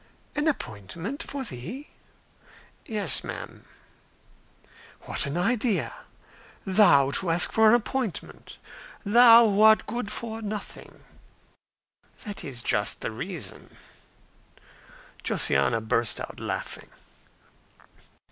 "An appointment? for thee!" "Yes, madam." "What an idea! thou to ask for an appointment! thou, who art good for nothing." "That's just the reason." Josiana burst out laughing.